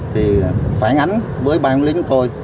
thì phản ánh với ban quân lính của tôi